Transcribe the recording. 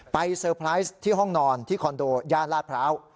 เซอร์ไพรส์ที่ห้องนอนที่คอนโดย่านลาดพร้าว